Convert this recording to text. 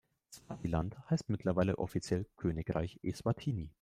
Swasiland heißt mittlerweile offiziell Königreich Eswatini.